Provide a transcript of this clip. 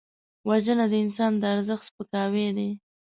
وژنه د انسان د ارزښت سپکاوی دی